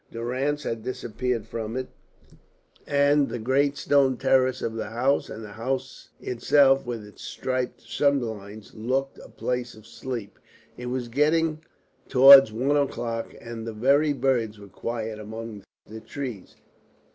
Durrance had disappeared from it, and the great stone terrace of the house and the house itself, with its striped sunblinds, looked a place of sleep. It was getting towards one o'clock, and the very birds were quiet amongst the trees.